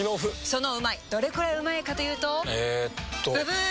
そのうまいどれくらいうまいかというとえっとブブー！